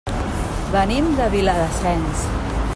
Venim de Viladasens.